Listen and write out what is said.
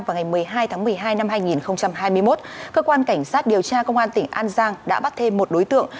vào ngày một mươi hai tháng một mươi hai năm hai nghìn hai mươi một cơ quan cảnh sát điều tra công an tỉnh an giang đã bắt thêm một đối tượng